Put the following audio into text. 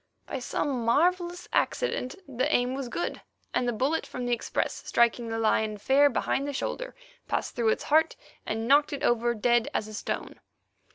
By some marvellous accident the aim was good, and the bullet from the express, striking the lion fair behind the shoulder, passed through its heart, and knocked it over dead as a stone.